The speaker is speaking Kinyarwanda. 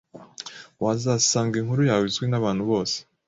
wazasanga inkuru yawe izwi n’abantu bose